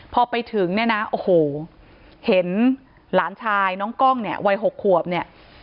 พอไปถึงเนี่ยนะโอ้โหเห็นหลานชายน้องกล้องเนี่ยวัย๖ขวบเนี่ย